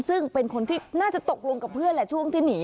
ซึ่งเป็นคนที่น่าจะตกลงกับเพื่อน